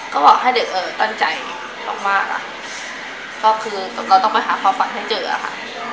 ก็บอกให้เด็กเออตั้งใจมากมากอ่ะก็คือเราต้องไปหาความฝันให้เจออะค่ะ